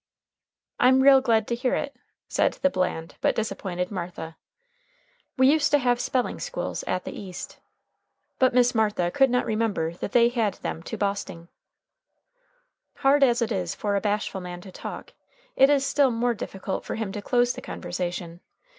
"I'm real glad to hear it," said the bland but disappointed Martha. "We used to have spelling schools at the East." But Miss Martha could not remember that they had them "to Bosting." Hard as it is for a bashful man to talk, it is still more difficult for him to close the conversation.